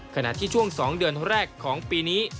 ขณะที่ช่วง๒เดือนแรกของปีนี้